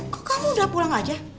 kok kamu udah pulang aja